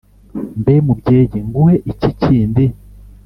mbe mubyeyi nguhe iki kindi